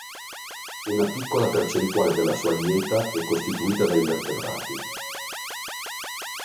Una piccola percentuale della sua dieta è costituita da invertebrati.